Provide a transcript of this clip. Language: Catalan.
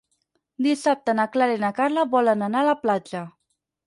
Dissabte na Clara i na Carla volen anar a la platja.